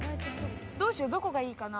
どうしよう、どこがいいかな？